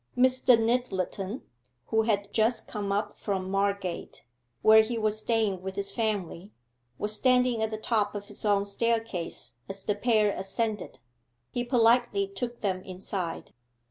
Mr. Nyttleton, who had just come up from Margate, where he was staying with his family, was standing at the top of his own staircase as the pair ascended. He politely took them inside.